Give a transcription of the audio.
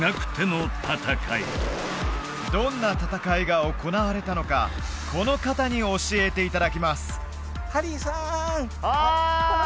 どんな戦いが行われたのかこの方に教えていただきますああ！